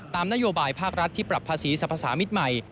นโยบายภาครัฐที่ปรับภาษีสรรพสามิตรใหม่